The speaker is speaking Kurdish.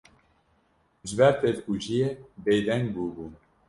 ji ber tevkujiyê bêdeng bûbûn